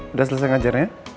udah selesai ngajarnya